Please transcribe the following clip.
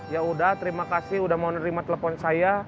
ya udah terima kasih udah mau nerima telepon saya